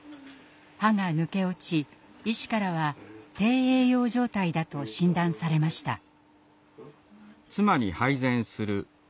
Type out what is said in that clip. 歯が抜け落ち医師からは低栄養状態だと診断されました。